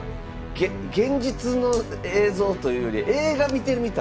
現実の映像というより映画見てるみたい。